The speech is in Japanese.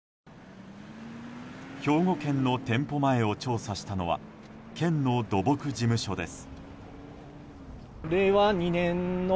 兵庫県の店舗前を調査したのは県の土木事務所です。